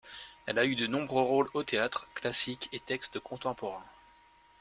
Elle a eu de nombreux rôles au théâtre, classiques et textes contemporains.